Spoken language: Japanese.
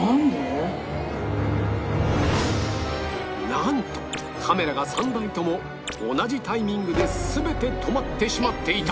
なんとカメラが３台とも同じタイミングで全て止まってしまっていた